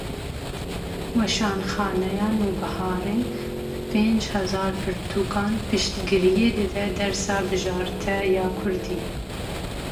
Weşanxaneya Nûbiharê bi pênc hezar pirtûkan piştgiriyê dide dersa bijarte ya kurdî.